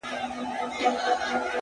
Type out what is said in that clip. څلوريځه ـ